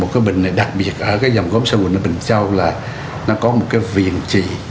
cái bình này đặc biệt ở cái dòng góm xa huỳnh ở bình châu là nó có một cái viền trị